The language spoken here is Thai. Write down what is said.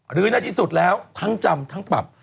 หรือในที่สุดแล้วทั้งจำทั้งปรับ